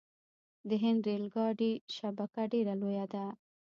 د هند ریل ګاډي شبکه ډیره لویه ده.